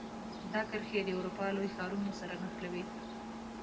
دا کرښې د اروپا لوی ښارونو سره نښلوي.